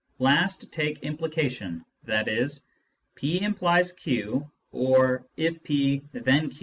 Last take implication, i.e. " p implies q," or " if p, then q."